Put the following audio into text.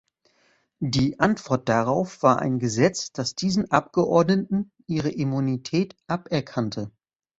Die Antwort darauf war ein Gesetz, das diesen Abgeordneten ihre Immunität aberkannte.